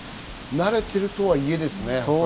慣れているとはいえですね。